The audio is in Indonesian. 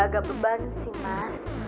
kebenaran sih mas